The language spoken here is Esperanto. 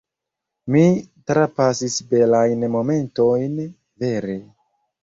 mi trapasis belajn momentojn, vere!